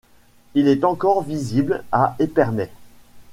Il est encore visible à Épernay.